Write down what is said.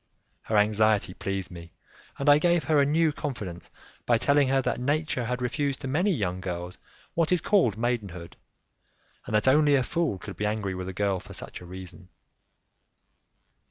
Her anxiety pleased me, and I gave her a new confidence by telling her that nature had refused to many young girls what is called maidenhood, and that only a fool could be angry with a girl for such a reason.